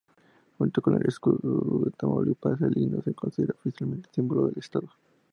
Junto con el Escudo de Tamaulipas, el himno se considera oficialmente símbolo del estado.